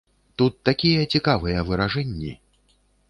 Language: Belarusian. Тут такія цікавыя выражэнні.